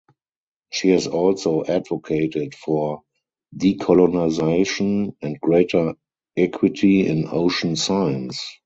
She has also advocated for decolonization and greater equity in ocean science.